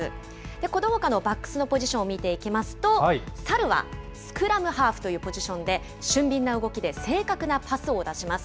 このほかのバックスのポジションを見ていきますと、サルはスクラムハーフというポジションで、俊敏な動きで正確なパスを出します。